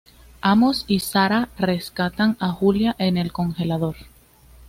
Amos y Sarah rescatan a Julia en el congelador.